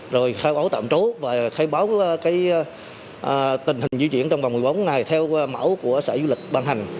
rồi khai báo tạm trú và khai báo tình hình di chuyển trong vòng một mươi bốn ngày theo mẫu của sở du lịch ban hành